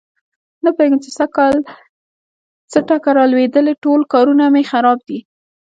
نه پوهېږم چې سږ کل څه ټکه را لوېدلې ټول کارونه مې خراب دي.